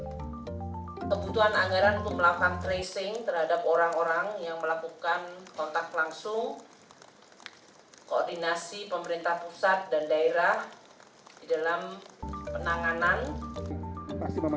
kebutuhan anggaran untuk melakukan tracing terhadap orang orang yang melakukan kontak langsung koordinasi pemerintah pusat dan daerah di dalam penanganan